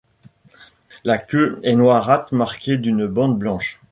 La queue est noirâtre marquée d'une bande blanche.